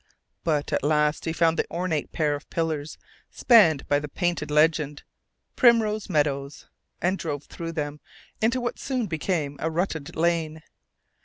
But at last he found the ornate pair of pillars spanned by the painted legend, "Primrose Meadows," and drove through them into what soon became a rutted lane.